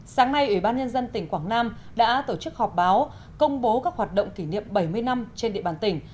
sáng nay ủy ban nhân dân tỉnh quảng nam đã tổ chức họp báo công bố các hoạt động kỷ niệm bảy mươi năm trên địa bàn tỉnh